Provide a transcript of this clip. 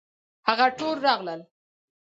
هغه ټول راغلل.